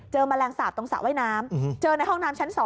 แมลงสาปตรงสระว่ายน้ำเจอในห้องน้ำชั้น๒